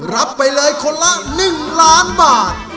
รับไปเลยคนละ๑ล้านบาท